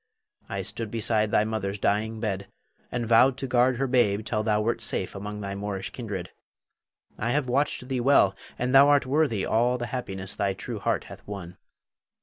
I stood beside thy mother's dying bed, and vowed to guard her babe till thou wert safe among thy Moorish kindred. I have watched thee well, and thou art worthy all the happiness thy true heart hath won.